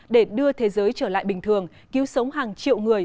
để đưa thế giới trở lại bình thường cứu sống hàng triệu người